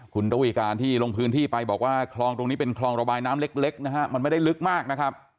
คุณระวีการที่ลงพื้นที่ไปบอกว่าคลองตรงนี้เป็นคลองระบายน้ำเล็กนะฮะมันไม่ได้ลึกมากนะครับ